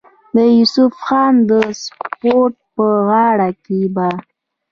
د يوسف خان د سپو پۀ غاړه کښې به